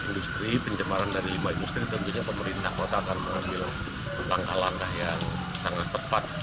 industri pencemaran dari limbah industri tentunya pemerintah kota akan mengambil langkah langkah yang sangat tepat